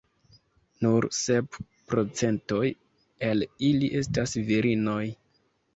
Nur sep procentoj el ili estas virinoj.